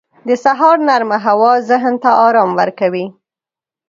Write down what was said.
• د سهار نرمه هوا ذهن ته آرام ورکوي.